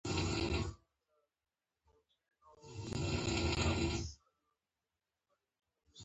اصلي پوښتنه داده چې پیسې څه اخیستلی شي